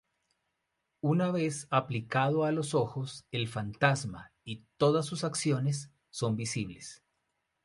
Una vez aplicado a los ojos, el fantasma y todas sus acciones son visibles.